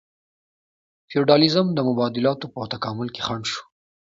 فیوډالیزم د مبادلاتو په تکامل کې خنډ شو.